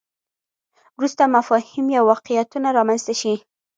وروسته مفاهیم یا واقعیتونه رامنځته شي.